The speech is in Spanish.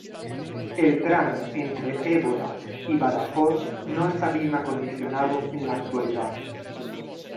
El tramo entre Évora y Badajoz no está bien acondicionado en la actualidad.